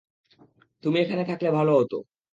তুমি এখানে থাকলে ভালো হত।